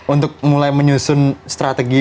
untuk mulai menyusun strategi